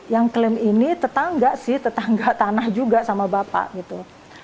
yang klaim ini tetangga sih tetangga tanah juga sama bapak gitu